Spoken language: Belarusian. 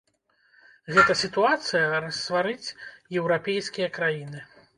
Гэта сітуацыя рассварыць еўрапейскія краіны.